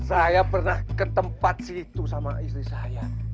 saya pernah ke tempat situ sama istri saya